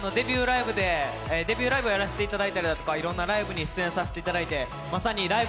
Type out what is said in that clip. デビューライブをやらせていただいたりだとか、いろんなライブをやらせていただいてまさに「ライブ！